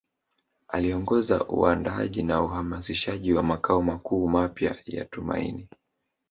Aliongoza uandaaji na uhamasishaji wa makao makuu mapya ya Tumaini